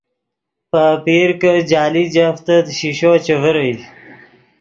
پے اپیر کی جالی جفتیت شیشو چے ڤرئے